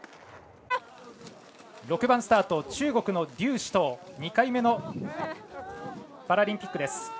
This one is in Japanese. ６番スタート、中国の劉思とう２回目のパラリンピックです。